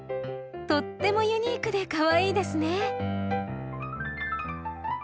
とってもユニークでかわいいですね。